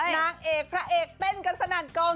นางเอกพระเอกเต้นกันสนั่นกอง